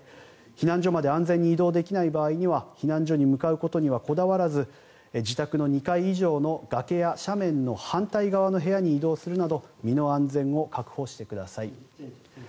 避難所まで安全に移動できない場合には避難所に向かうことにはこだわらず自宅の２階以上の崖や斜面の反対側の部屋に移動するなど身の安全を確保してください。